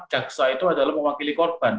jaksa itu adalah mewakili korban